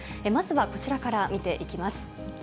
まずはこちらから見ていきます。